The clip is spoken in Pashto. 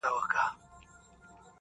څښتن به مي د واک یمه خالق چي را بخښلی -